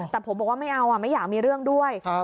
แต่ผมบอกว่าไม่เอาไม่อยากมีเรื่องด้วย